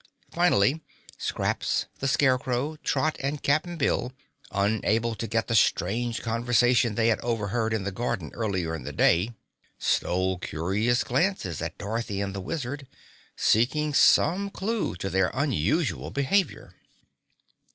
Finally, Scraps, the Scarecrow, Trot and Cap'n Bill, unable to forget the strange conversation they had overheard in the garden earlier in the day, stole curious glances at Dorothy and the Wizard, seeking some clue to their unusual behavior.